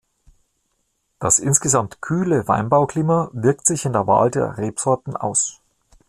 Das insgesamt kühle Weinbauklima wirkt sich in der Wahl der Rebsorten aus.